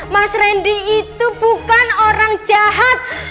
mas randy itu bukan orang jahat